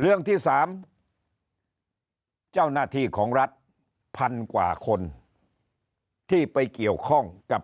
เรื่องที่๓เจ้าหน้าที่ของรัฐพันกว่าคนที่ไปเกี่ยวข้องกับ